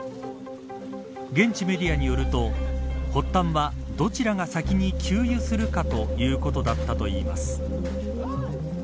現地メディアによると発端はどちらが先に給油するかということだったといいます。